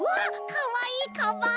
かわいいかばん！